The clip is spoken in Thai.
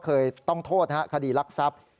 เคยต้องโทษนะฮะคดีลักษัพย์